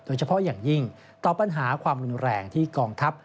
โดยเฉพาะอย่างยิ่งต่อปัญหาความรุนแรงที่กองทัพ